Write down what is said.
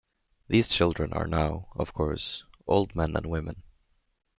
These children are now, of course, old men and women.